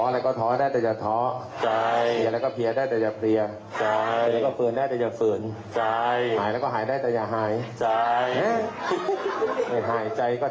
และเราจะโชคดี